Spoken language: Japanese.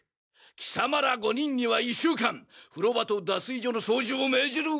きさまら５人には１週間風呂場と脱衣所の掃除を命じる！